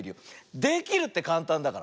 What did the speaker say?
できるってかんたんだから。ね。